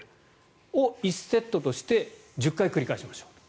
これを１セットとして１０回繰り返しましょう。